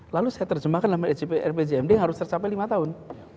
lalu saya terjemahkan rpjmd harus tercapai lima tahun